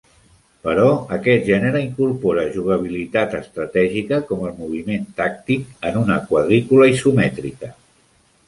Però aquest gènere incorpora jugabilitat estratègica com el moviment tàctic en una quadrícula isomètrica.